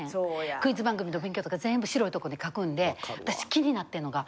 クイズ番組の勉強とか全部白いとこで書くんで私気になってんのが。